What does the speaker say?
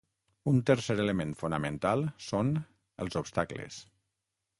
Un tercer element fonamental són els obstacles.